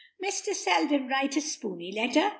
"Mr. Selden write a spooney letter!